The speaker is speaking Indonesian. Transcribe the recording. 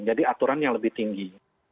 jadi aturan yang lebih tinggi